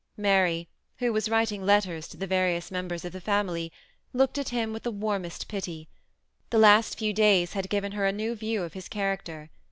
Mary, who was writing letters to the various mem bers of the family, looked at him with the warmest pity. The few last days had given her a new view of his character.